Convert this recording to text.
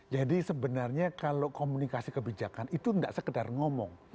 jadi sebenarnya kalau komunikasi kebijakan itu nggak sekedar ngomong